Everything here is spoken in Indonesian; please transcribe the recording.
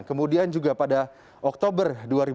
kemudian juga pada oktober dua ribu satu